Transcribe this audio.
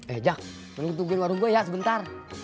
eh jak lo tungguin warung gua ya sebentar